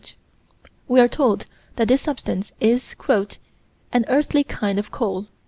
We are told that this substance is "an earthy kind of coal."